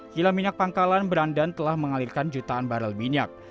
kila minyak pangkalan berandan telah mengalirkan jutaan barrel minyak